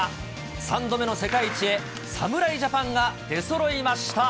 ３度目の世界一へ、侍ジャパンが出そろいました。